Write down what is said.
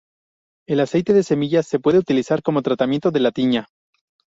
El aceite de semillas se pueden utilizar como tratamiento de la tiña.